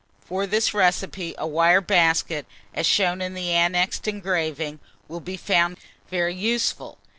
For this recipe, a wire basket, as shown in the annexed engraving, will be found very useful.